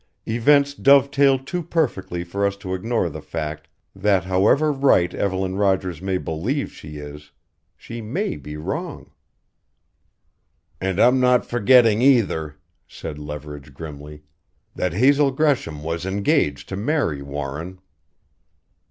Events dovetail too perfectly for us to ignore the fact that however right Evelyn Rogers may believe she is she may be wrong!" "And I'm not forgetting, either " said Leverage grimly, "that Hazel Gresham was engaged to marry Warren!"